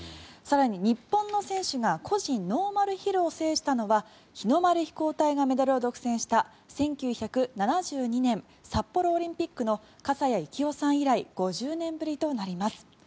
更に日本の選手が個人ノーマルヒルを制したのは日の丸飛行隊がメダルを独占した１９７２年、札幌オリンピックの笠谷幸生さん以来５０年ぶりとなります。